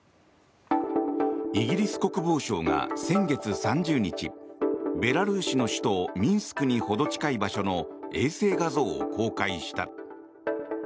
イギリス国防省が先月３０日ベラルーシの首都ミンスクにほど近い場所の衛星画像を公開した。